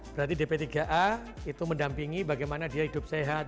berarti dp tiga a itu mendampingi bagaimana dia hidup sehat